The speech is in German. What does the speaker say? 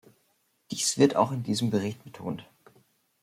Dies wird auch in diesem Bericht betont.